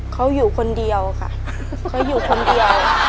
เขาอยู่คนเดียวค่ะเขาอยู่คนเดียว